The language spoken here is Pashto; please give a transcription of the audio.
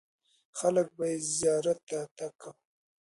خلک به یې زیارت ته تګ کاوه.